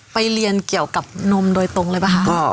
เรียนเกี่ยวกับนมโดยตรงเลยป่ะคะ